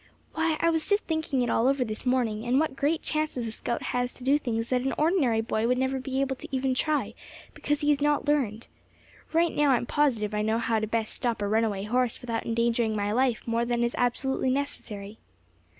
"Why, I was just thinking it all over this morning, and what great chances a scout has to do things that an ordinary boy would never be able to even try, because he had not learned. Right now I'm positive I know how to best stop a runaway horse without endangering my life more than is absolutely necessary."